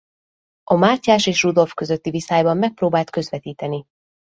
A Mátyás és Rudolf közötti viszályban megpróbált közvetíteni.